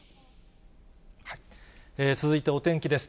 続いてお天気です。